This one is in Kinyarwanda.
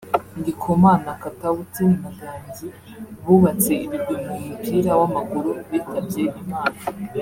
Ndikumana Katauti na Gangi bubatse ibigwi mu mupira w’amaguru bitabye Imana